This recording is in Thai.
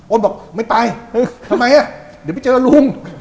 บอกไม่ไปทำไมอ่ะเดี๋ยวไปเจอลุง